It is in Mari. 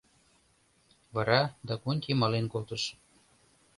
Вара Дакунти мален колтыш.